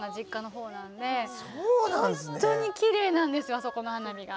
ホントにきれいなんですよあそこの花火が。